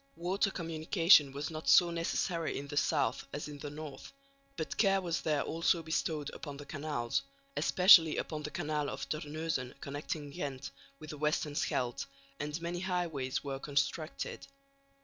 Water communication was not so necessary in the south as in the north, but care was there also bestowed upon the canals, especially upon the canal of Terneuzen connecting Ghent with the western Scheldt, and many highways were constructed.